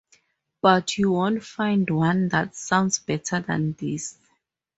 But you won’t find one that sounds better than this.